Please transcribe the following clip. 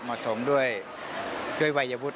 เหมาะสมด้วยวัยวุฒิ